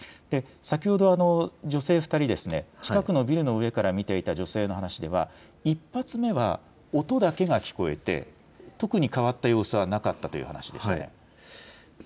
先ほど女性２人、近くのビルの上から見ていた女性の話では１発目は音だけが聞こえて特に変わった様子はなかったという話でしたね。